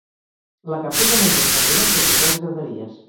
La Capella Major s'eleva sobre tres graderies.